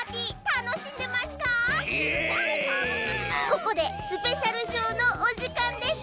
ここでスペシャルショーのおじかんです。